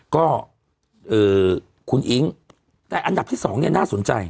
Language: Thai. ก็คุณอิ๊งแต่อันดับที่๒เนี่ยน่าสนใจ